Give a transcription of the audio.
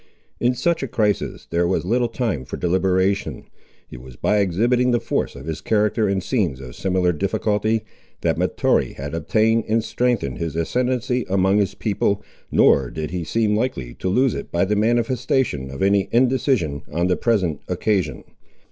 In such a crisis there was little time for deliberation. It was by exhibiting the force of his character in scenes of similar difficulty, that Mahtoree had obtained and strengthened his ascendency among his people, nor did he seem likely to lose it by the manifestation of any indecision on the present occasion.